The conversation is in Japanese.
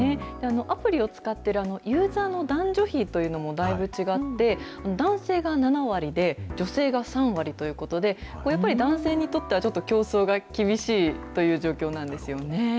アプリを使ってるユーザーの男女比というのもだいぶ違って、男性が７割で、女性が３割ということで、やっぱり男性にとっては、ちょっと競争が厳しいという状況なんですよね。